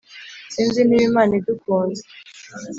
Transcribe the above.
Sinzi niba Imana idukunze